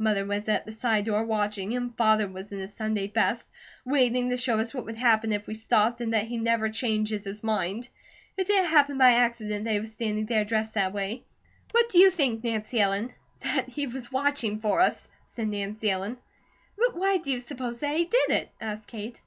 Mother was at the side door watching, and Father was in his Sunday best, waiting to show us what would happen if we stopped, and that he never changes his mind. It didn't happen by accident that he was standing there dressed that way. What do you think, Nancy Ellen?" "That he was watching for us!" said Nancy Ellen. "But why do you suppose that he did it?" asked Kate.